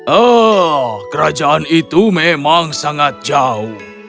eh kerajaan itu memang sangat jauh